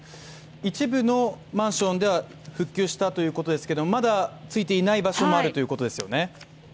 一部のマンションでは、復旧したということですけどまだついていない場所もあるということですよね。